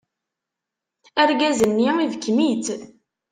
Argaz-nni ibekkem-itt.